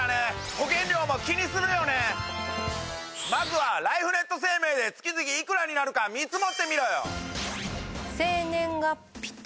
まずはライフネット生命で月々いくらになるか見積もってみろよ！